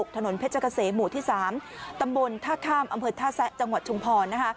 ถนนเพชรเกษมหมู่ที่๓ตำบลท่าข้ามอำเภอท่าแซะจังหวัดชุมพรนะคะ